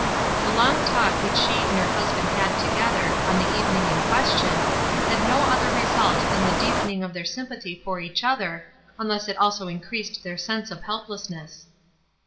The long talk which she and her husband had together, on the evening in question, had no other result than the deepening of their sym pathy for each other, unless it also increased their sense of helplessness.